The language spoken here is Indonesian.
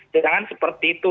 jangan seperti itu